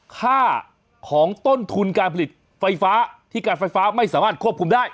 ค่าของต้นทุนการผลิตไฟฟ้าที่การไฟฟ้าไม่สามารถควบคุมได้